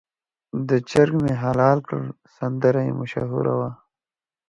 د چرګ مې حلال کړ سندره یې مشهوره وه.